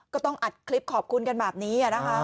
ก็ต้องอัดคลิปขอบคุณกันแบบนี้นะคะ